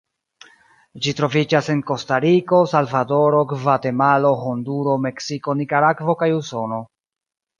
Ĝi troviĝas en Kostariko, Salvadoro, Gvatemalo, Honduro, Meksiko, Nikaragvo kaj Usono.